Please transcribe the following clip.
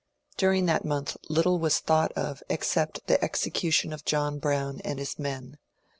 Dur ing that month little was thought of except the execution of John Brown and his men.